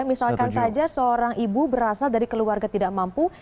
misalkan saja seorang ibu berasal dari keluarga tidak mampu